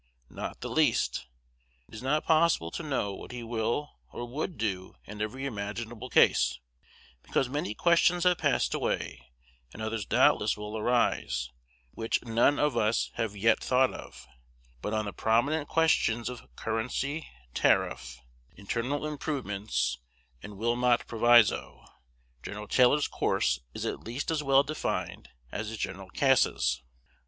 Not the least. It is not possible to know what he will or would do in every imaginable case, because many questions have passed away, and others doubtless will arise, which none of us have yet thought of; but on the prominent questions of currency, tariff, internal improvements, and Wilmot Proviso, Gen. Taylor's course is at least as well defined as is Gen. Cass's.